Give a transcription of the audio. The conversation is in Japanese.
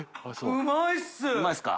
うまいっすか？